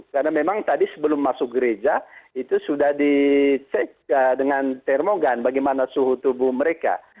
karena memang tadi sebelum masuk gereja itu sudah dicek dengan termogan bagaimana suhu tubuh mereka